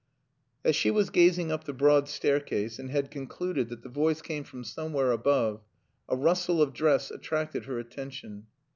As she was gazing up the broad staircase, and had concluded that the voice came from somewhere above, a rustle of dress attracted her attention.